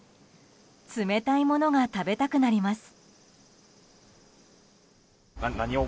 冷たいものが食べたくなります。